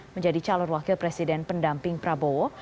menjadi calon wakil presiden pendamping prabowo